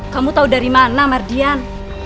kamu tahu dari mana mardian